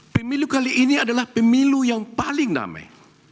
pemilu kali ini adalah pemilu yang paling damai